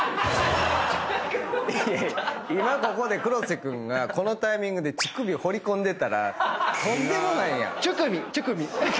いやいや今ここで黒瀬君がこのタイミングでちくび放り込んでたらとんでもないやん！